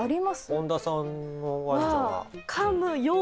本田さんのワンちゃんは？